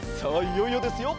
いよいよですよ。